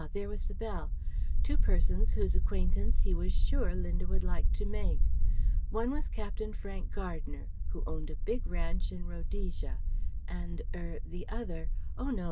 there was the bell two persons whose acquaintance he was sure Linda would like to make. One was Captain Frank Gardner, who owned a big ranch in Rhodesia, and er the other oh no!